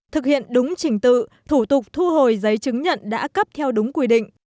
thực hiện đúng trình tự thủ tục thu hồi giấy chứng nhận đã cấp theo đúng quy định